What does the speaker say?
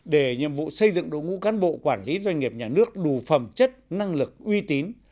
để nhiệm vụ xây dựng đội ngũ cán bộ quản lý doanh nghiệp nhà nước đủ phẩm chất năng lực uy tín